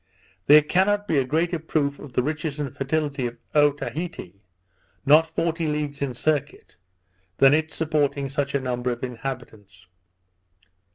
There cannot be a greater proof of the riches and fertility of Otaheite (not forty leagues in circuit) than its supporting such a number of inhabitants.